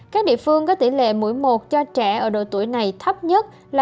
các địa phương có tỷ lệ mũi một cho trẻ ở độ tuổi này thấp nhất là